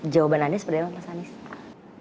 jawaban anda seperti apa mas anies